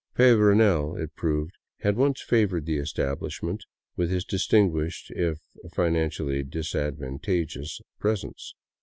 Peyrounel, it proved, had once favored the establishment with his distinguished, if financially disadvantageous, presence.